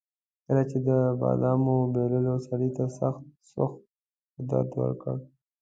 کله چې د بادامو بایللو سړي ته سخت سوخت او درد ورکړ.